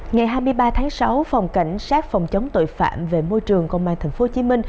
ngày hai mươi ba tháng sáu phòng cảnh sát phòng chống tội phạm về môi trường công an tp hcm